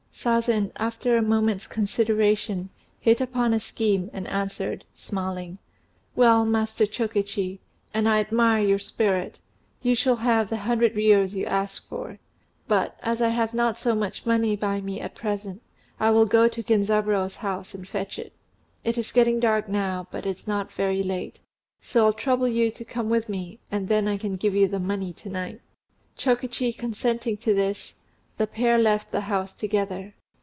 Sazen, after a moment's consideration, hit upon a scheme, and answered, smiling, "Well, Master Chokichi, you're a fine fellow, and I admire your spirit. You shall have the hundred riyos you ask for; but, as I have not so much money by me at present, I will go to Genzaburô's house and fetch it. It's getting dark now, but it's not very late; so I'll trouble you to come with me, and then I can give you the money to night." Chokichi consenting to this, the pair left the house together.